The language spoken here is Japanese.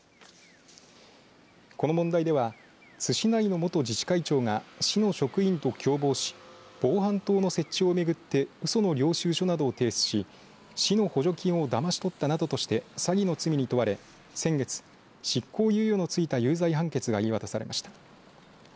この問題では津市内の元自治会長が市の職員と共謀し防犯灯の設置をめぐってうその領収書などを提出し市の補助金をだまし取ったなどとして詐欺の罪に問われ、先月執行猶予のついた有罪判決が言い渡されました。